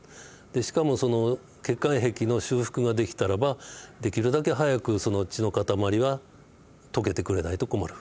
でしかも血管壁の修復ができたらばできるだけ早くその血の塊は溶けてくれないと困る。